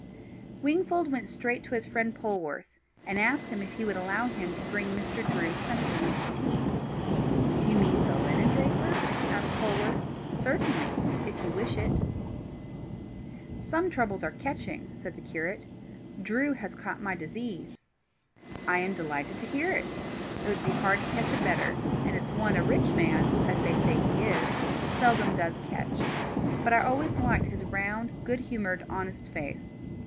Wingfold went straight to his friend Polwarth, and asked him if he would allow him to bring Mr. Drew some evening to tea. "You mean the linen draper?" asked Polwarth. "Certainly, if you wish it." "Some troubles are catching," said the curate. "Drew has caught my disease." "I am delighted to hear it. It would be hard to catch a better, and it's one a rich man, as they say he is, seldom does catch. But I always liked his round, good humoured, honest face.